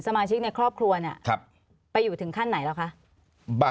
สมาชิกในครอบครัวเนี่ยไปอยู่ถึงขั้นไหนแล้วคะ